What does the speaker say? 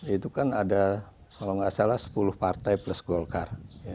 itu kan ada kalau nggak salah sepuluh partai plus golkar